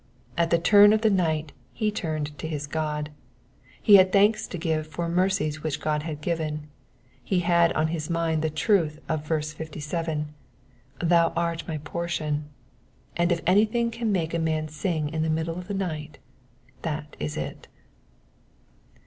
At the turn of the night he turned to his God. He had thanks to give for mercies which God had given : he had on his mind the truth of verse fifty seven, Thou art my portion," and if any thing can make a man sing in the middle of the night that is it.